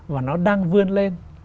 và nó đang vươn lên